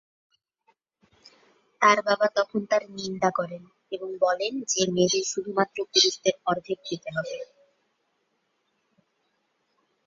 তার বাবা তখন তার নিন্দা করেন, এবং বলেন যে মেয়েদের শুধুমাত্র পুরুষদের অর্ধেক পেতে হবে।